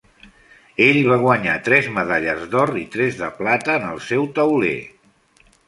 Ell va guanyar tres medalles d'or i tres de plata en el seu tauler.